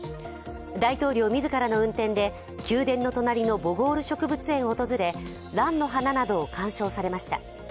大統領自らの運転で宮殿の隣のボゴール植物園を訪れらんの花などを鑑賞されました。